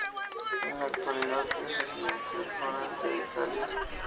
En la actualidad es residente permanente de Italia.